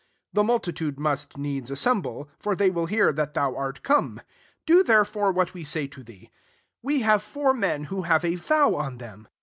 The mul titude must needs assemble : for they will hear that thou art come. 2S Do therefore what \Ve say to thee : We have four men who have a vow on them^ 238 ACTS xxr.